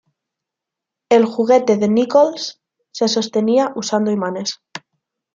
El juguete de Nichols se sostenía usando imanes.